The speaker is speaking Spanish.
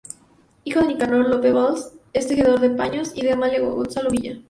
Hijo de Nicanor Lope Blas, un tejedor de paños, y de Amalia Gonzalo Villa.